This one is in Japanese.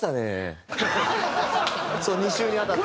２週にわたって。